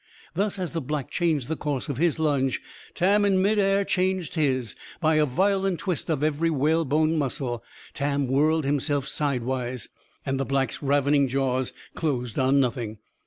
Thus, as the Black changed the course of his lunge, Tam, in mid air, changed his. By a violent twist of every whalebone muscle, Tam whirled himself sidewise. And the Black's ravening jaws closed on nothing.